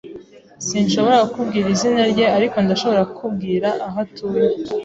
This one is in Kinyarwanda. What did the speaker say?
Sinshobora kukubwira izina rye, ariko ndashobora kukubwira aho atuye.